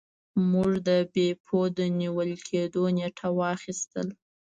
موږ د بیپو د نیول کیدو نیټه واخیسته.